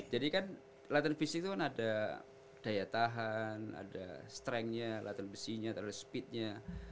jadi kan latihan fisik itu kan ada daya tahan ada strengnya latihan besinya ada speednya